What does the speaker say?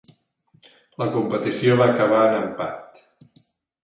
La competició va acabar en empat.